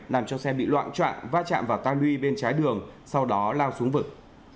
làm cho xe bị loạn trọn va chạm vào toan ly bên trái đường sau đó lao xuống vực